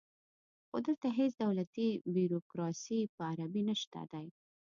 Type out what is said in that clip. خو دلته هیڅ دولتي بیروکراسي په عربي نشته دی